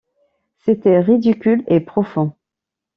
C’était ridicule et profond.